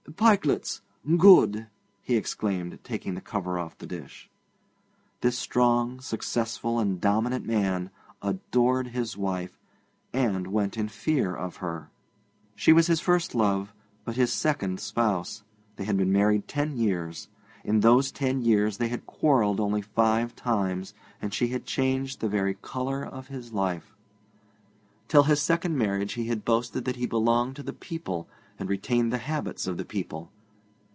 'Pikelets! Good!' he exclaimed, taking the cover off the dish. This strong, successful, and dominant man adored his wife, and went in fear of her. She was his first love, but his second spouse. They had been married ten years. In those ten years they had quarrelled only five times, and she had changed the very colour of his life. Till his second marriage he had boasted that he belonged to the people and retained the habits of the people.